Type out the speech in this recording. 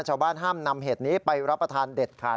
ห้ามนำเห็ดนี้ไปรับประทานเด็ดขาด